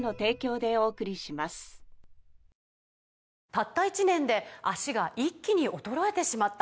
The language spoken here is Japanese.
「たった１年で脚が一気に衰えてしまった」